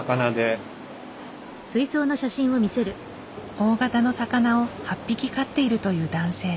大型の魚を８匹飼っているという男性。